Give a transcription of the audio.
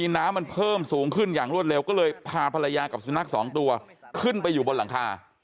น้ำมันเพิ่มสูงขึ้นอย่างรวดเร็วก็เลยพาภรรยากับสุนัขสองตัวขึ้นไปอยู่บนหลังคา